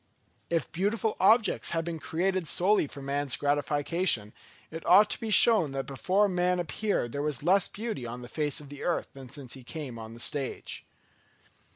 If beautiful objects had been created solely for man's gratification, it ought to be shown that before man appeared there was less beauty on the face of the earth than since he came on the stage.